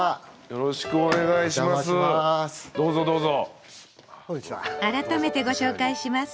よろしくお願いします。